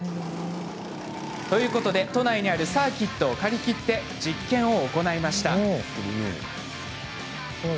ということで、都内にあるサーキットを借り切って実験を行いました。